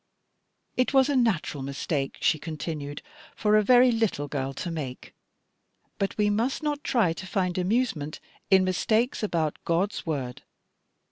"It was a natural mistake," she continued, "for a very little girl to make; but we must not try to find amusement in mistakes about God's word.